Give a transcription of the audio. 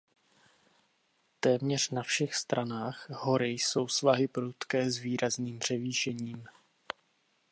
Téměř na všech stranách hory jsou svahy prudké s výrazným převýšením.